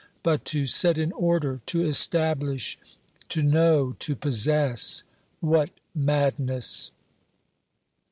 But to set in order, to establish, to know, to possess — what madness